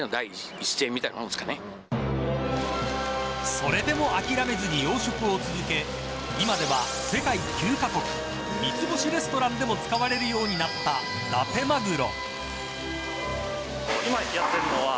それでも諦めずに養殖を続け今では、世界９カ国三つ星レストランでも使われるようになっただてまぐろ。